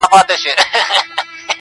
د څپو غېږته قسمت وو غورځولی -